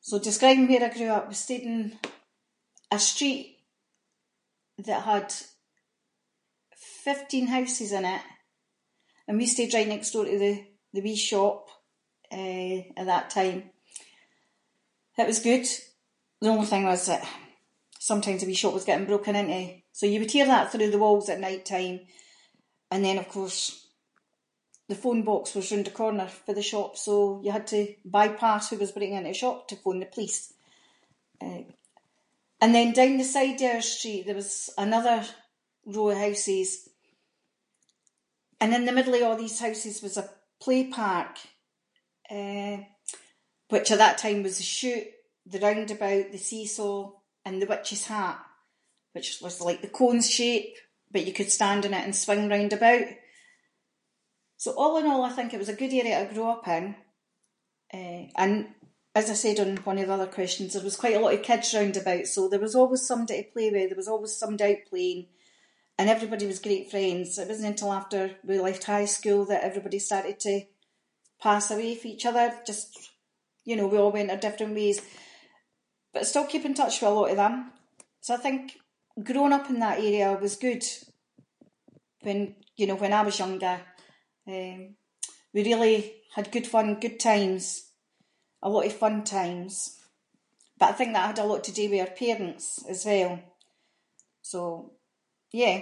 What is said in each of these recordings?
So describing where I grew up, we stayed in a street that had fifteen houses in it, and we stayed right next door to the- the wee shop, eh, at that time. It was good, the only thing was that sometimes the wee shop was getting broken into, so you would hear that through the walls at nighttime, and then of course, the phone box was roond the corner fae the shop, so you had to bypass who was breaking into the shop to phone to police. Eh, and then down the side of our street there was another row of houses, and in the middle of a’ these houses was a playpark, eh, which at that time was a chute, the roundabout, the seesaw, and the witch’s hat, which was like the cone's shape, but you could stand on it and swing round about. So all in all, I think it was a good area to grow up in, eh, and as I said on one of the other questions, there was quite a lot of kids round about, so there was always somebody to play with, there was always somebody out playing, and everybody was great friends, it wasnae until after we left high school that everybody started to pass away fae each other, just you know, we all went our different ways, but I still keep in touch with a lot of them. So I think, growing up in that area was good, when- you know, when I was younger, eh, we really, had good fun, good times, a lot of fun times. But I think that had a lot to do with our parents as well. So, yeah,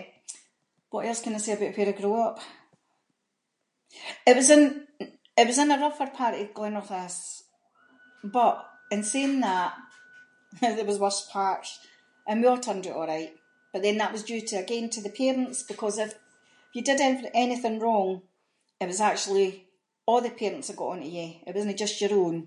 what else can I say aboot where I grew up. It was in, it was in a rougher part of Glenrothes, but, in saying that, there was worse parts and we a’ turned oot a’right. But then, that was due to again, to the parents because if you did anyt- anything wrong, it was actually a’ the parents that got onto you, it wasnae just your own.